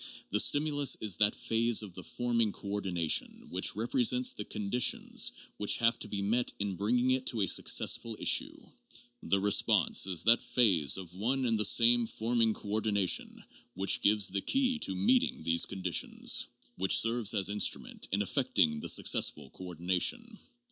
The stim ulus is that phase of the forming coordination which represents the conditions which have to be met in bringing it to a successful issue ; the response is that phase of one and the same forming coordination which gives the key to meeting these conditions, which serves as instrument in effecting the successful coordina tion.